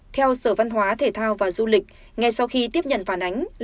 theo sở văn hóa thể thao và du lịch ngay sau khi tiếp nhận phản ánh